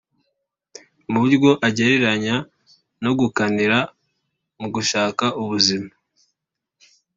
mu buryo agerereranye no ’gukanira’ mu gushaka ubuzima